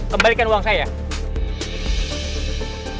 kembalikan uang saya ya